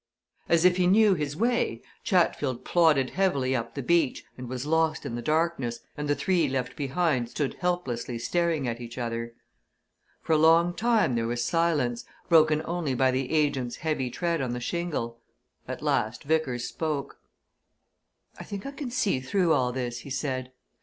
As if he knew his way, Chatfield plodded heavily up the beach and was lost in the darkness, and the three left behind stood helplessly staring at each other. For a long time there was silence, broken only by the agent's heavy tread on the shingle at last Vickers spoke. "I think I can see through all this," he said.